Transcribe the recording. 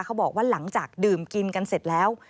เขาบอกว่าหลังจากดื่มกินกันเสร็จแล้ว